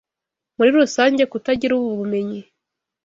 Muri rusange kutagira ubu bumenyi